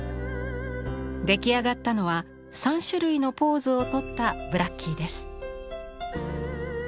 出来上がったのは３種類のポーズをとったブラッキーです。